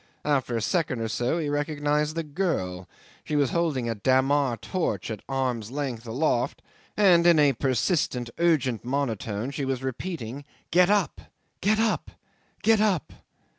After a second or so he recognised the girl. She was holding a dammar torch at arm's length aloft, and in a persistent, urgent monotone she was repeating, "Get up! Get up! Get up!"